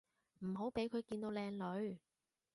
唔好畀佢見到靚女